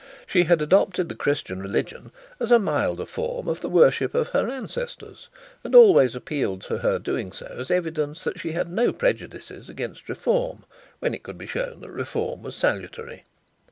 She had adopted the Christian religion as a milder form of the worship of her ancestors, and always appealed to her doing so as evidence that she had no prejudices against reform, when it could be shown that reform was salutary.